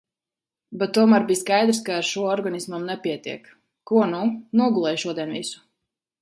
Bet tomēr bija skaidrs, ka ar šo organismam pietiek. Ko nu? Nogulēju šodien visu.